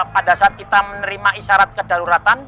pada saat kita menerima isyarat kedaruratan